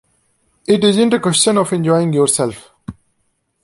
It isn't a question of enjoying yourself.